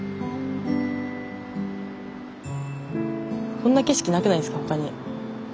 こんな景色なくないですか他に。